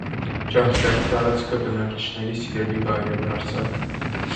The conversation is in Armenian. Ճահճային տարածքը բնանկարիչների սիրելի վայրը դարձավ։